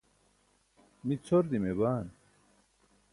mi cʰor dimee baan